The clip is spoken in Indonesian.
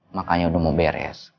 makanya udah mau beres